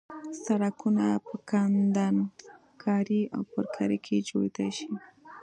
سرکونه په کندنکارۍ او پرکارۍ کې جوړېدای شي